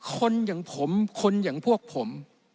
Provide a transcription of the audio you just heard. คนอย่างผมคนอย่างพวกผม